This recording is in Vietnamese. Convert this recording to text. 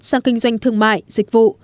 sang kinh doanh thương mại dịch vụ